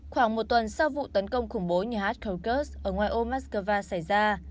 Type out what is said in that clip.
khoảng một tuần sau vụ tấn công khủng bố nhà hát kyrgyzstan ở ngoài ô moskova xảy ra